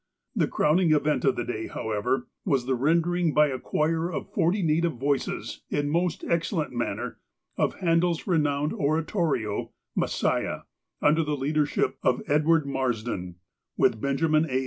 The crowning event of the day, however, was the ren dering by a choir of forty native voices, in a most excel lent manner, of Handel's renowned oratorio ''Messiah," under the leadership of Edward Marsden, with Benja min A.